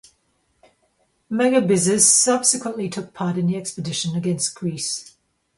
Megabyzus subsequently took part in the expedition against Greece.